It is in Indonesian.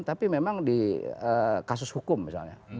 tapi memang di kasus hukum misalnya